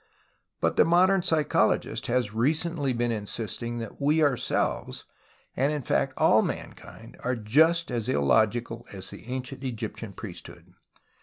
But the modern psycho logist has recently been insisting that we om selves, and, in fact, all mankind, are just as illogical as the Ancient Egyptian priesthood.